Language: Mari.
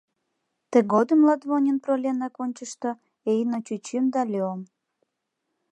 Тыгодым Лотвонен проленак ончышто Эйно чӱчӱм да Леом.